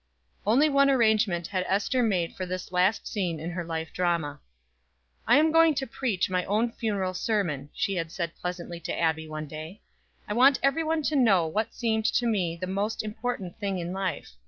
Only one arrangement had Ester made for this last scene in her life drama. "I am going to preach my own funeral sermon," she had said pleasantly to Abbie one day. "I want every one to know what seemed to me the most important thing in life.